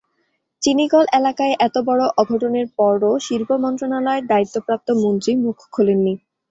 চিনিকল এলাকায় এত বড় অঘটনের পরও শিল্প মন্ত্রণালয়ের দায়িত্বপ্রাপ্ত মন্ত্রী মুখ খোলেননি।